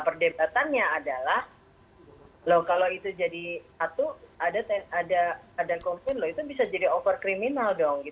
perdebatannya adalah kalau itu jadi satu ada konflik itu bisa jadi overkriminal dong